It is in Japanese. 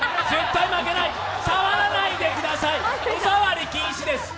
触らないでください、お触り禁止です。